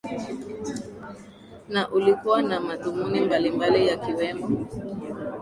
na ulikuwa na madhumuni mbalimbali yakiwemo